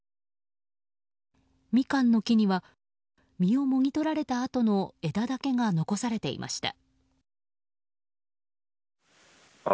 ミカンの木には実をもぎ取られたあとの枝だけが残されていました。